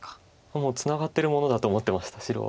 もうツナがってるものだと思ってました白は。